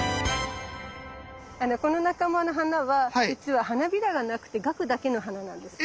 この仲間の花はじつは花びらがなくて萼だけの花なんですね。